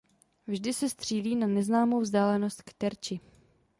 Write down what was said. Vždy se střílí na neznámou vzdálenost k terči.